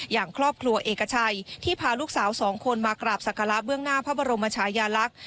อย่างครอบครัวเอกชัยที่พาลูกสาวสองคนมากราบศักระเบื้องหน้าพระบรมชายาลักษณ์